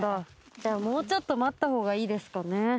じゃあもうちょっと待った方がいいですかね。